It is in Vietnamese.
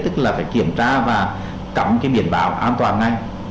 tức là phải kiểm tra và cắm cái biển báo an toàn ngay